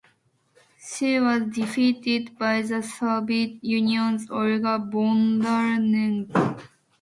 She was defeated by the Soviet Union's Olga Bondarenko.